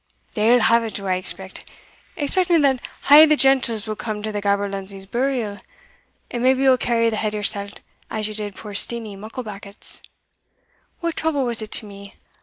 "Deil haet do I expect excepting that a' the gentles will come to the gaberlunzie's burial; and maybe ye'll carry the head yoursell, as ye did puir Steenie Mucklebackit's. What trouble was't to me?